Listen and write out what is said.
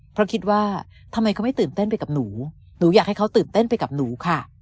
เพราะคิดว่าทำไมเขาไม่ตื่นเต้นไปกับหนูหนูอยากให้เขาตื่นเต้นไปกับหนูค่ะ